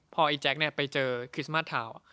พอแจ๊คก็ไปเจอคริสต์มาท์ทาวน์